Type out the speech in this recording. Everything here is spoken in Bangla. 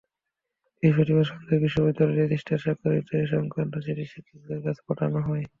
বৃহস্পতিবার সন্ধ্যায় বিশ্ববিদ্যালয়ের রেজিস্ট্রার স্বাক্ষরিত এ-সংক্রান্ত চিঠি শিক্ষকদের কাছে পাঠানো হয়।